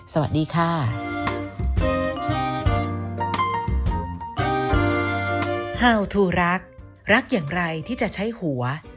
สวัสดีค่ะ